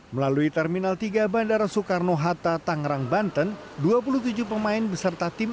melalui terminal tiga bandara soekarno hatta tangerang banten dua puluh tujuh pemain beserta tim